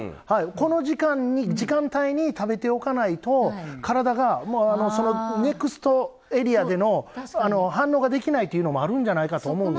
この時間に、時間帯に食べておかないと、体がもう、ネクストエリアでの反応ができないというのもあると思うんですよ